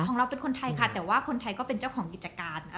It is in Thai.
ของเราเป็นคนไทยค่ะแต่ว่าคนไทยก็เป็นเจ้าของกิจการ